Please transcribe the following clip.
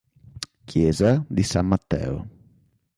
Chiesa di San Matteo